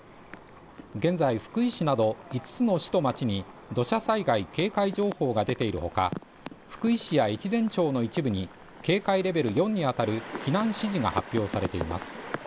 現在、福井市など５つの市と町に土砂災害警戒情報が出ているほか、福井市や越前町の一部に警戒レベル４にあたる避難指示が発表されています。